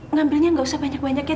ngambilnya nggak usah banyak banyak ya